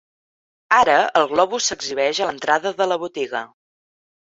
Ara el globus s'exhibeix a l'entrada de la botiga.